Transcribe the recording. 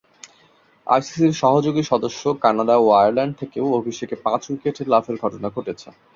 আইসিসি’র সহযোগী সদস্য কানাডা ও আয়ারল্যান্ড থেকেও অভিষেকে পাঁচ-উইকেট লাভের ঘটনা ঘটেছে।